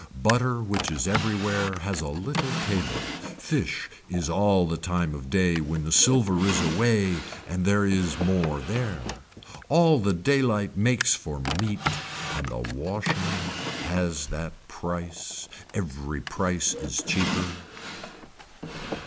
Butter which is every where has a little table, fish is all the time of day when the silver is away and there is more there. All the daylight makes for meat and the washing has that price, every price is cheaper.